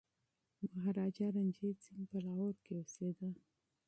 مهاراجا رنجیت سنګ په لاهور کي اوسېده.